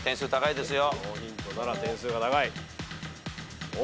ノーヒントなら点数が高い。